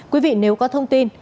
quý vị nếu có thông tin